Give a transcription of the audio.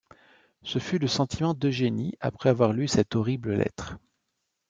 Ce fut le sentiment d’Eugénie après avoir lu cette horrible lettre.